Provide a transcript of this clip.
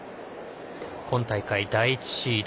今大会第１シード。